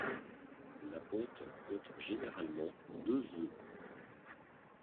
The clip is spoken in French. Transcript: La ponte compte généralement deux œufs.